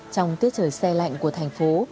trong tiết trời xe lạnh của thành phố